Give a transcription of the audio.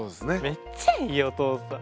めっちゃいいお父さん。